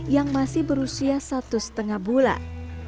yang masih berusia satu lima bulan